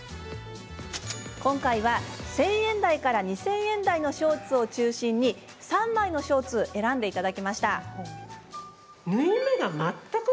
今回は１０００円台から２０００円台のショーツを中心に３枚のショーツを選んでいただきました。